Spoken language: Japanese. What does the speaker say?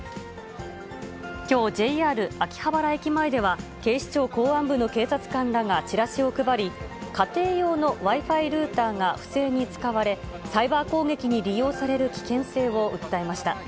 きょう、ＪＲ秋葉原駅前では、警視庁公安部の警察官らがチラシを配り、家庭用のＷｉ−Ｆｉルーターが不正に使われ、サイバー攻撃に利用される危険性を訴えました。